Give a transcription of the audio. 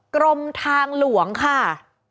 กรมทางหลวงค่ะ